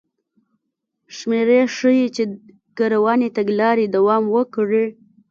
شمېرې ښيي چې که روانې تګلارې دوام وکړي